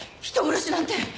人殺しなんて。